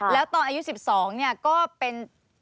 แล้วตอนอายุ๑๒เนี่ยก็เป็น